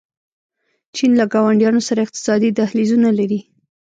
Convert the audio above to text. چین له ګاونډیانو سره اقتصادي دهلیزونه لري.